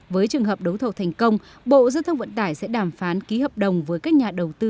với trường hợp đấu thầu thành công bộ giao thông vận tải sẽ đàm phán ký hợp đồng với các nhà đầu tư